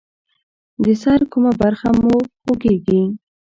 د سر کومه برخه مو خوږیږي؟